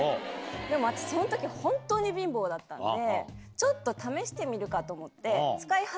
でも私その時本当に貧乏だったんでちょっと試してみるかと思って。